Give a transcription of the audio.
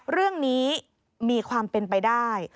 เรื่องนี้มีความเป็นไปได้